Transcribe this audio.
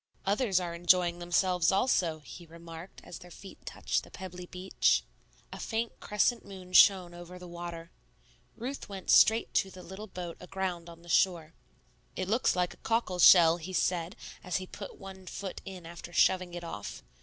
"Others are enjoying themselves also," he remarked as their feet touched the pebbly beach. A faint crescent moon shone over the water. Ruth went straight to the little boat aground on the shore. "It looks like a cockle shell," he said, as he put one foot in after shoving it off.